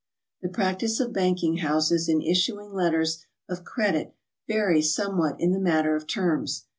The practice of banking houses in issuing letters of credit varies somewhat in the matter of terms.